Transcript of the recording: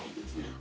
あ！